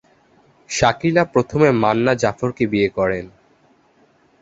শাকিলা প্রথমে মান্না জাফরকে বিয়ে করেন।